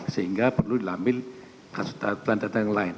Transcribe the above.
sehingga perlu diambil kasus tanda tanda yang lain